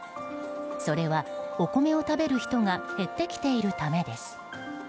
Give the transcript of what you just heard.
それはお米を食べる人が減ってきているためです。